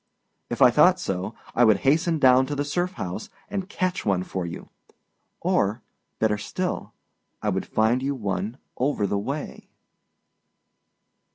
If I thought so, I would hasten down to the Surf House and catch one for you; or, better still, I would find you one over the way.